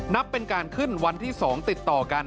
นับเป็นการขึ้นวันที่๒ติดต่อกัน